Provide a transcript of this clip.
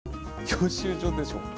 教習所でしょうか？